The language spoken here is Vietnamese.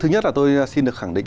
thứ nhất là tôi xin được khẳng định